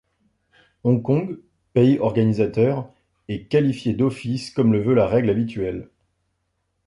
Hong Kong, pays organisateur, est qualifié d'office comme le veut la règle habituelle.